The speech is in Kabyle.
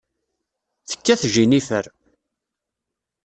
Tekkat Jennifer.